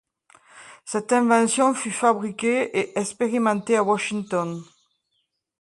Cette invention fut fabriquée et expérimentée à Washington.